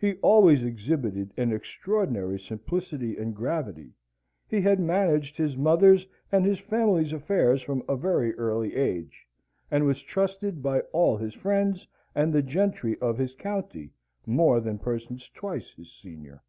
He always exhibited an extraordinary simplicity and gravity; he had managed his mother's and his family's affairs from a very early age, and was trusted by all his friends and the gentry of his county more than persons twice his senior.